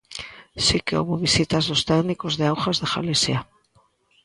Si que houbo visitas dos técnicos de Augas de Galicia.